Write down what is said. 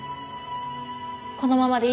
「このままでいいのかな？」